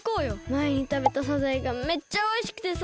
まえにたべたサザエがめっちゃおいしくてさ！